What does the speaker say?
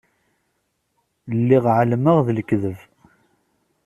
Lliɣ ɛelmeɣ d lekdeb.